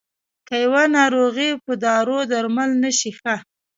که يوه ناروغي په دارو درمل نه شي ښه.